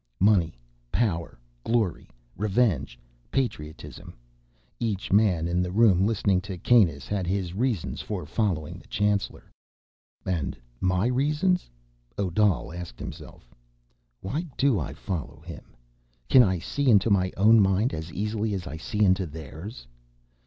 Money, power, glory, revenge, patriotism: each man in the room, listening to Kanus, had his reasons for following the chancellor. And my reasons? Odal asked himself. _Why do I follow him? Can I see into my own mind as easily as I see into theirs?